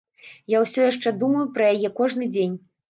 Я ўсё яшчэ думаю пра яе кожны дзень.